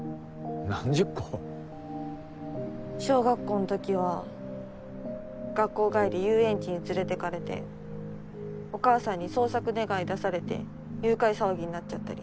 何十個？小学校のときは学校帰り遊園地に連れてかれてお母さんに捜索願出されて誘拐騒ぎになっちゃったり。